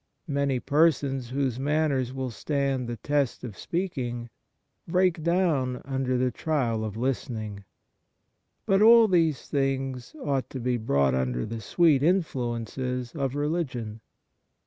Many persons whose manners will stand the test of speak ing, break down under the trial of listening. But all these things ought to be brought under the sweet influences of religion.